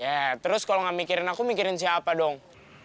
ya terus kalau nggak mikirin aku mikirin siapa dong